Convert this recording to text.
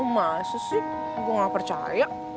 masih sih gue gak percaya